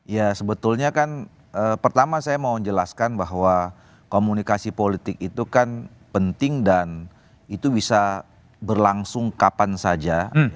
ya sebetulnya kan pertama saya mau menjelaskan bahwa komunikasi politik itu kan penting dan itu bisa berlangsung kapan saja